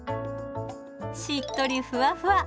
しっとりふわふわ。